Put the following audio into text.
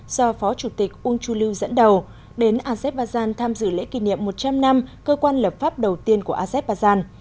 do phó chủ tịch ung chuliu dẫn đầu đến azerbaijan tham dự lễ kỷ niệm một trăm linh năm cơ quan lập pháp đầu tiên của azerbaijan